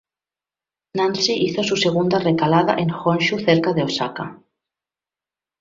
Nancy hizo una segunda recalada en Honshū cerca de Osaka.